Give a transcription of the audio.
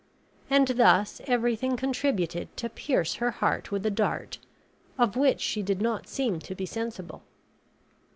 And thus everything contributed to pierce her heart with a dart, of which she did not seem to be sensible.